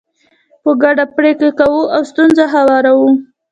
په ګډه پرېکړې کوو او ستونزې هواروو.